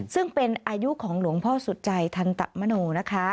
ซึ่งเป็นอายุของหลวงพ่อสุจัยทันตมโนนะคะ